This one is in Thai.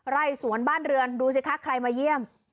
ไล่สวนบ้านเรือนดูสิคะใครมาเยี่ยม